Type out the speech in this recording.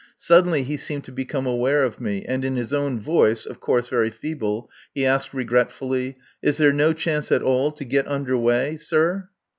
Suddenly he seemed to become aware of me, and in his own voice of course, very feeble he asked regretfully: "Is there no chance at all to get under way, sir?"